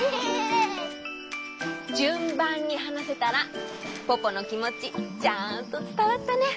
じゅんばんにはなせたらポポのきもちちゃんとつたわったね！